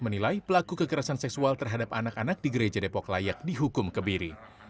menilai pelaku kekerasan seksual terhadap anak anak di gereja depok layak dihukum kebiri